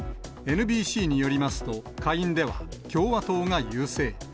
ＮＢＣによりますと、下院では共和党が優勢。